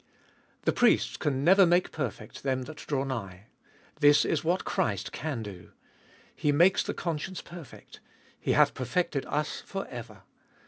The priests can never make perfect them that draw nigh. This is what Christ can do. He makes the conscience perfect. He hath perfected us for ever.